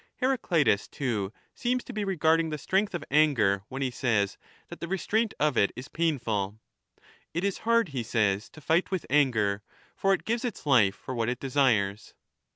Heraclitus, too, seems to be regarding the strength of anger when he says that the restraint of it is painful —' It is hard,' he says, ' to fight with anger ; for it gives its life for what it desires.'